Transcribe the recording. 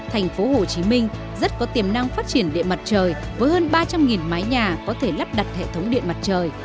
thành phố hồ chí minh rất có tiềm năng phát triển điện mặt trời với hơn ba trăm linh mái nhà có thể lắp đặt hệ thống điện mặt trời